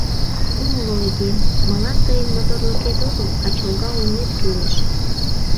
— Умыло, игем: мылам тыйын моторлыкет огыл, а чолга улмет кӱлеш.